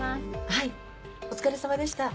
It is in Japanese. はいお疲れさまでした。